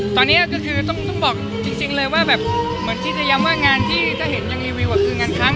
ตอนนี้ก็คือต้องบอกจริงเลยว่าแบบเหมือนที่จะย้ำว่างานที่ถ้าเห็นยังรีวิวคืองานค้าง